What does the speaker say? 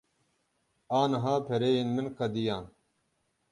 Aniha pereyên min qediyan.